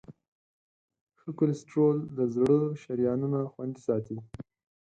ښه کولیسټرول د زړه شریانونه خوندي ساتي.